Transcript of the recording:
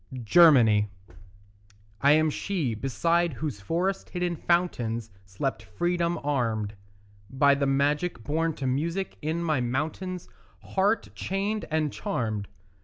GERMANY I am she beside whose forest hidden fountains Slept freedom armed, By the magic born to music in my mountains Heart chained and charmed.